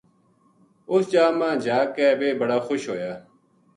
اُس جا ما جا کے ویہ بڑا خوش ہویا